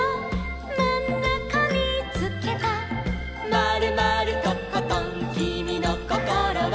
「まるまるとことんきみのこころは」